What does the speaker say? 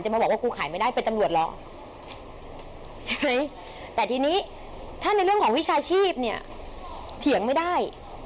ใช่ไหมแต่ทีนี้ถ้าในเรื่องของวิชาชีพเนี่ยเถียงไม่ได้